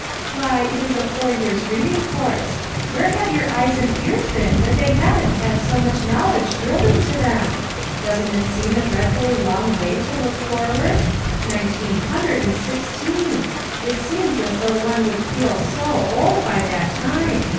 Why, it is a four years' reading course. Where have your eyes and ears been that they haven't had so much knowledge drilled into them? Doesn't that seem a dread fully long way to look forward? Nineteen hundred and sixteen! it seems as though one would feel so old by that time!